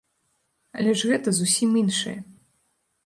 Але ж гэта зусім іншае.